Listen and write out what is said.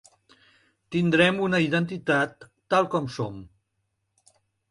Tindrem una identitat tal com som.